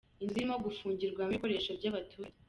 Inzu zirimo gufungiranwamo ibikoresho by’ abaturage.